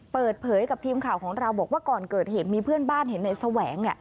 เปิดเผยกับทีมข่าวของเราบอกว่าก่อนเกิดเหตุมีเพื่อนบ้านเห็นในแสวง